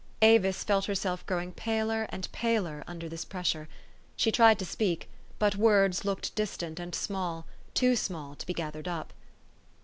Avis felt herself growing paler and paler under this pressure. She tried to speak ; but words looked distant and small, too small to be gathered up.